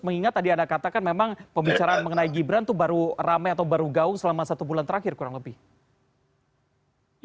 mengingat tadi anda katakan memang pembicaraan mengenai gibran itu baru ramai atau baru gaung selama satu bulan terakhir kurang lebih